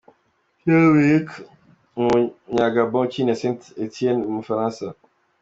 Pierre Emerick, umunyagabo ukinira St Etienne mu Bufaransa.